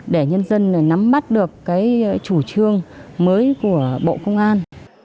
để nhân dân nắm mắt được cái chủ trương mới của bộ công an